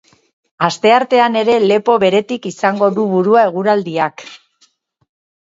Asteartean ere lepo beretik izango du burua eguraldiak.